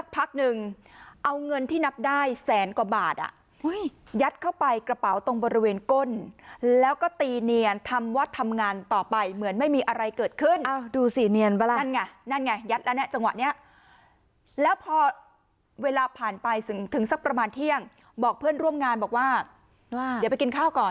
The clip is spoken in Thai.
เพื่อนร่วมงานบอกว่าเดี๋ยวไปกินข้าวก่อนหือหือ